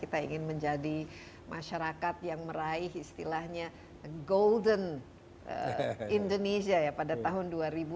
kita ingin menjadi masyarakat yang meraih istilahnya golden indonesia ya pada tahun dua ribu dua puluh